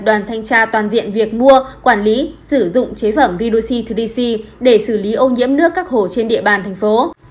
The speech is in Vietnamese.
làm thanh tra toàn diện việc mua quản lý sử dụng chế phẩm bridosy ba c để xử lý ô nhiễm nước các hồ trên địa bàn thành phố